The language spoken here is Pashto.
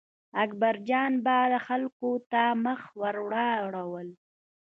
اکبرجان به خلکو ته مخ ور واړاوه.